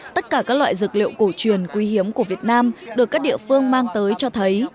tất cả các loại dược liệu cổ truyền quý hiếm của việt nam được các địa phương mang tới cho thấy